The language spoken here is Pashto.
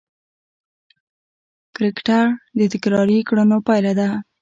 کرکټر د تکراري کړنو پایله ده.